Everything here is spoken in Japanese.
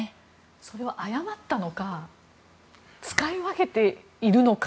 それは誤ったのか使い分けているのか。